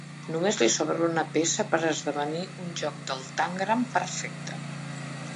Només li sobra una peça per esdevenir un joc del Tangram perfecte.